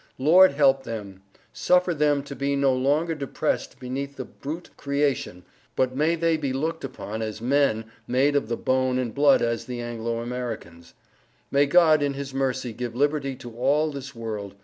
Lord help them. Suffer them to be no longer depressed beneath the Bruat Creation but may they be looked upon as men made of the Bone and Blood as the Anglo Americans. May God in his mercy Give Liberty to all this world.